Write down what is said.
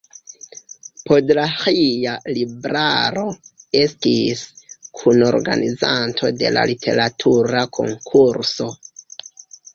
Podlaĥia Libraro estis kunorganizanto de la literatura konkurso.